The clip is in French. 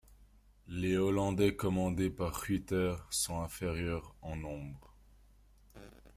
Les Hollandais, commandés par Ruyter, sont inférieurs en nombre.